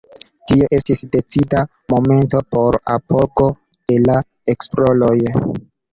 Tio estis decida momento por apogo de la esploroj.